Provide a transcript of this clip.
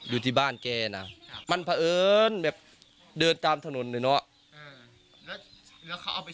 อยู่ที่บ้านแกนะมันเผอิญเดินตามถนนเลยเนาะแล้วเขาเอาไป